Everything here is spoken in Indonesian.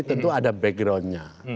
tentu ada backgroundnya